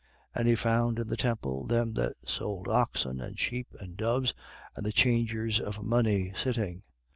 2:14. And he found in the temple them that sold oxen and sheep and doves, and the changers of money sitting.